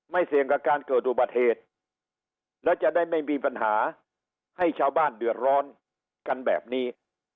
เสี่ยงกับการเกิดอุบัติเหตุแล้วจะได้ไม่มีปัญหาให้ชาวบ้านเดือดร้อนกันแบบนี้